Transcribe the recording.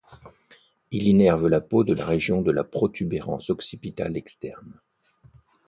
Il innerve la peau de la région de la protubérance occipitale externe.